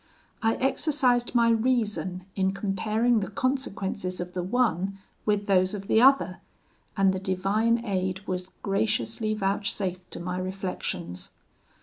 I exercised my reason in comparing the consequences of the one with those of the other, and the divine aid was graciously vouchsafed to my reflections.